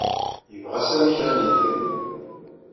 Yebɣa Sami kra n yidrimen.